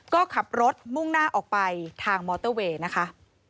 ก็ขับรถมุ่งหน้าออกไปทางมอเตอร์เวย์นะคะ